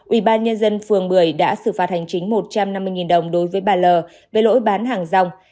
ubnd phường một mươi đã xử phạt hành chính một trăm năm mươi đồng đối với bà l về lỗi bán hàng rong